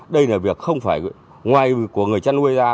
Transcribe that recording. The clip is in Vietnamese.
đây là việc không phải ngoài của người chăn nuôi ra